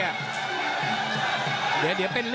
เนี่ย